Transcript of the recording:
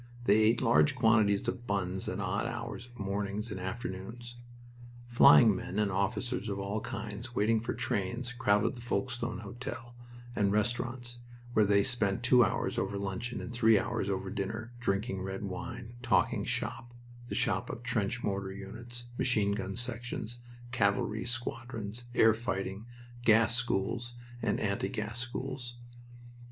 They ate large quantities of buns at odd hours of mornings and afternoons. Flying men and officers of all kinds waiting for trains crowded the Folkestone Hotel and restaurants, where they spent two hours over luncheon and three hours over dinner, drinking red wine, talking "shop" the shop of trench mortar units, machine gun sections, cavalry squadrons, air fighting, gas schools, and anti gas schools.